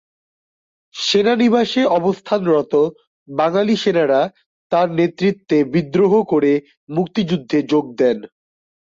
সেনানিবাসে অবস্থানরত বাঙালি সেনারা তার নেতৃত্বে বিদ্রোহ করে মুক্তিযুদ্ধে যোগ দেন।